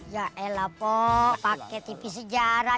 ya elah mpok pake tv sejarah